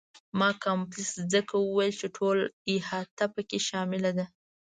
ما کمپلکس ځکه وویل چې ټوله احاطه په کې شامله ده.